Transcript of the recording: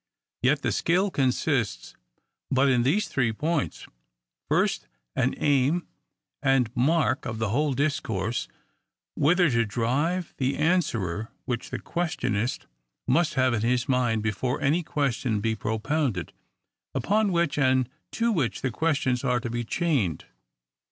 — Yet the skill consists but in these three points :— First, an aim and mark of the whole discourse, whither to drive the answerer (which the questionist must have in his mind before any question be propounded) upon which and to which the questions are to be chained.